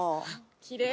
きれい。